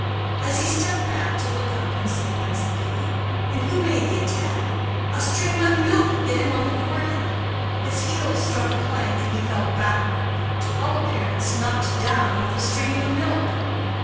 As he stepped back to look up and see whence it came, and who made the attack, a stream of milk hit him on the forehead, his heels struck a plank, and he fell backward, to all appearance knocked down with a stream of milk.